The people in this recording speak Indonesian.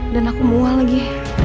dan aku mual lagi